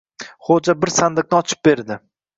Xo‘ja bir sandiqni ochib berdi.